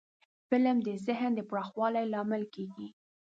فلم د ذهن پراخوالي لامل کېږي